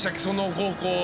その高校。